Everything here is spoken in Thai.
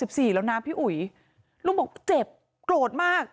รุ่ง๖๔แล้วนะพี่อุ๋ยรุ่งบอกว่าเจ็บโกรธมาก